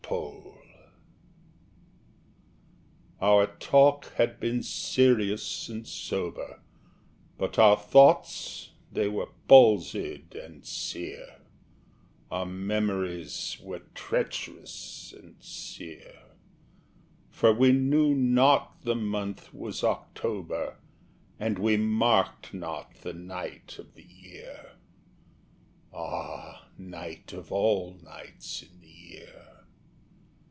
[Illustration: Ulalume] Our talk had been serious and sober, But our thoughts they were palsied and sere Our memories were treacherous and sere For we knew not the month was October, And we marked not the night of the year (Ah, night of all nights in the year!)